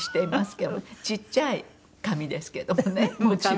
ちっちゃい紙ですけどもねもちろん。